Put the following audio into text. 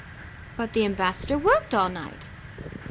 "But the ambassador worked all night?"